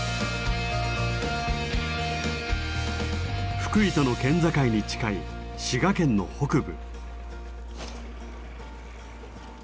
福井との県境に近い滋賀県の北部。